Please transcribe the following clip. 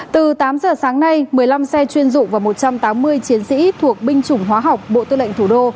từ tám giờ sáng nay một mươi năm xe chuyên dụng và một trăm tám mươi chiến sĩ thuộc binh chủng hóa học bộ tư lệnh thủ đô